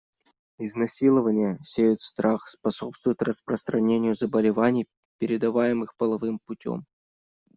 Изнасилования сеют страх, способствуют распространению заболеваний, передаваемых половым путем.